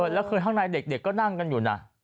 แล้วคือข้างในเด็กก็นั่งกันอยู่นะ